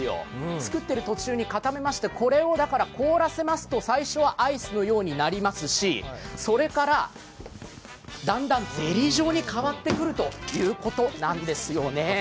作ってる途中に固めまして、これを凍らせますと最初はアイスのようになりますし、それからだんだんゼリー状に変わってくるということなんですね。